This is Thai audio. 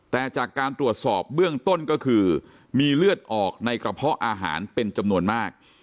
แต่จากการตรวจสอบเบื้องต้นก็คือมีเลือดออกในกระเพาะอาหารเป็นจำนวนมาก